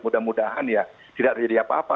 mudah mudahan ya tidak terjadi apa apa